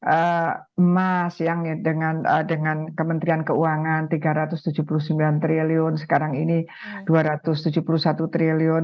emas yang dengan kementerian keuangan rp tiga ratus tujuh puluh sembilan triliun sekarang ini rp dua ratus tujuh puluh satu triliun